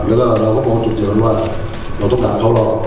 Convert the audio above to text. อย่างนั้นเราก็บอกชุดเจริญว่าเราต้องการเข้าร้อง